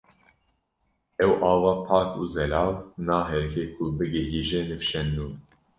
ew ava pak û zelal naherike ku bigihîje nifşên nû